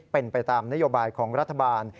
เป็นไปตามนโยบายของรัฐบาล